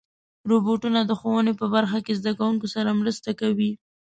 روبوټونه د ښوونې په برخه کې زدهکوونکو سره مرسته کوي.